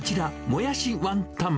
もやしワンタン？